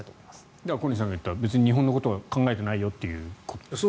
だから小西さんが言った別に日本のことは考えてないよということですね。